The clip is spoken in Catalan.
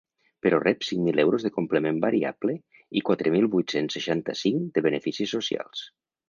Però rep cinc mil euros de complement variable i quatre mil vuit-cents seixanta-cinc de beneficis socials.